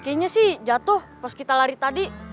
kayaknya sih jatuh pas kita lari tadi